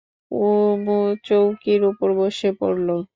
কুমু চৌকির উপর বসে পড়ল।